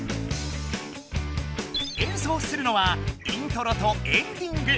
演奏するのはイントロとエンディング。